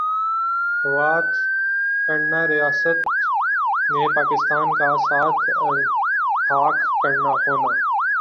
سوات کرنا ریاست نے پاکستان کا ساتھ الحاق کرنا ہونا